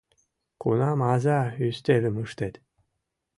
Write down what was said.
— Кунам аза ӱстелым ыштет?